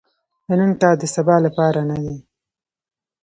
د نن کار د سبا لپاره نه دي .